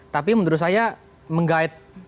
tapi menurut saya menggait